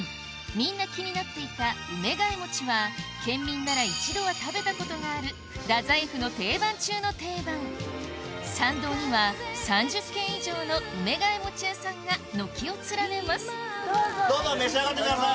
みんな気になっていた梅ヶ枝餅は県民なら一度は食べたことがある太宰府の定番中の定番参道には３０軒以上の梅ヶ枝餅屋さんが軒を連ねますどうぞ召し上がってください。